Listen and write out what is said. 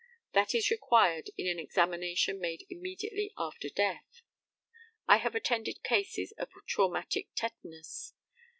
That is required in an examination made immediately after death. I have attended cases of traumatic tetanus.